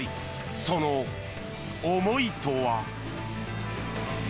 その思いとは。